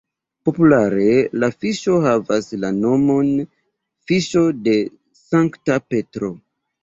Populare la fiŝo havas la nomon "fiŝo de Sankta Petro".